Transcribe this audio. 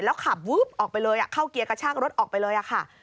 แล้วขับวึ๊บออกไปเลยเข้าเกียร์กระชากรถออกไปเลยค่ะ